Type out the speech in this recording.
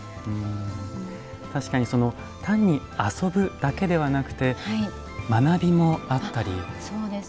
確かに、単に遊ぶだけでなくて学びもあったり。